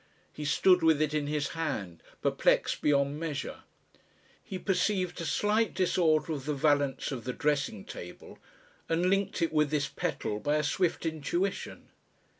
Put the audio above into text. He stood with it in his hand, perplexed beyond measure. He perceived a slight disorder of the valence of the dressing table and linked it with this petal by a swift intuition.